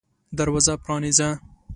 دروازه پرانیزه !